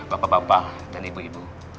bapak bapak dan ibu ibu